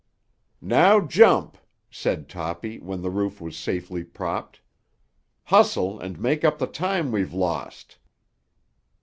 "Now jump!" said Toppy when the roof was safely propped. "Hustle and make up the time we've lost."